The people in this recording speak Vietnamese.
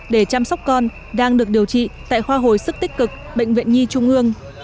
để chăm sóc con đang được điều trị tại khoa hồi sức tích cực bệnh viện nhi trung ương